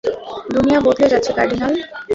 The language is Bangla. দুনিয়া বদলে যাচ্ছে, কার্ডিনাল।